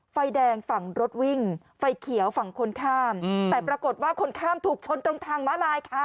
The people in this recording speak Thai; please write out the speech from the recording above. ไฟแดงฝั่งรถวิ่งไฟเขียวฝั่งคนข้ามแต่ปรากฏว่าคนข้ามถูกชนตรงทางม้าลายค่ะ